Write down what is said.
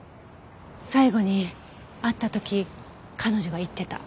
最後に会った時彼女が言ってた。